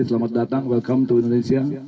selamat datang welcome to indonesia